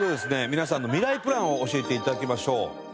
皆さんのミライプランを教えて頂きましょう。